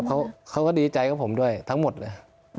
เขาก็ดีใจกับผมด้วยทั้งหมดเลย